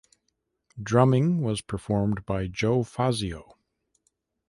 Drumming was performed by Joe Fazzio.